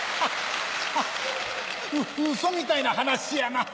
ウソみたいな話やな。